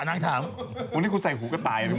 วันนี้กูใส่หูก็ตายแล้วมึง